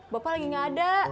bapak lagi nggak ada